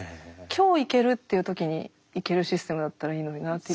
今日行けるっていう時に行けるシステムだったらいいのになって。